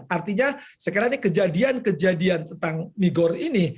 artinya saya kira ini kejadian kejadian tentang migor ini